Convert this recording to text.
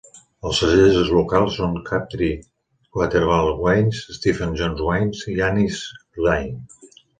Els cellers locals són Crabtree Watervale Wines, Stephen John Wines i Annie's Lane.